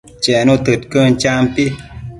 Chenu tëdquën, champi